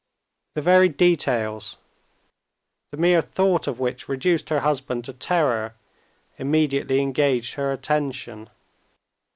The very details, the mere thought of which reduced her husband to terror, immediately engaged her attention.